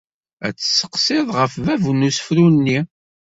Ad tt-steqsiḍ ɣef bab n usefru-nni.